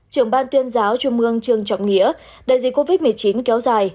trưởng ban tuyên giáo trung mương trương trọng nghĩa đại dịch covid một mươi chín kéo dài